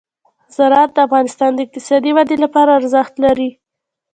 زراعت د افغانستان د اقتصادي ودې لپاره ارزښت لري.